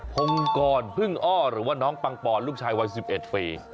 พงกรพึ่งอ้อหรือว่าน้องปังปอนลูกชายวัย๑๑ปี